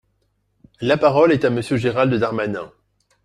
La parole est à Monsieur Gérald Darmanin.